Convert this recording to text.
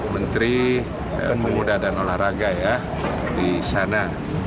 menteri kemudahan olahraga ya di sana